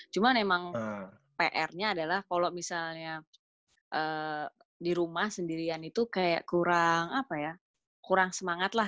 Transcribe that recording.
cuman emang pr nya adalah kalau misalnya di rumah sendirian itu kayak kurang apa ya kurang semangat lah